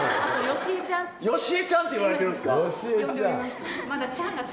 「芳江ちゃん」って言われてるんですか！